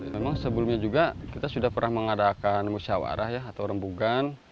memang sebelumnya juga kita sudah pernah mengadakan musyawarah ya atau rembugan